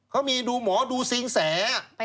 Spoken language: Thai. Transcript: เขามีดูหมอดูซิงแส